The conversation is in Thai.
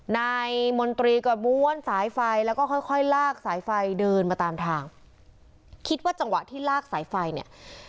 นายมนตรีก็ม้วนสายไฟแล้วก็ค่อยค่อยลากสายไฟเดินมาตามทางคิดว่าจังหวะที่ลากสายไฟเนี่ย